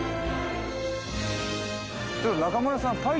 中村さん。